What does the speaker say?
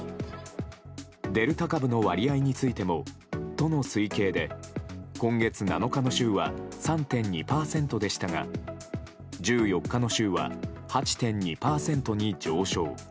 デルタ株の割合についても都の推計で今月７日の週は３．２％でしたが１４日の週は８．２％に上昇。